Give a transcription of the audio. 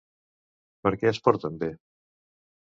Per què es porten bé?